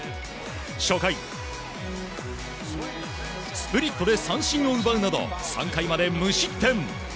初回、スプリットで三振を奪うなど３回まで無失点。